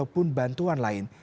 pun bantuan lain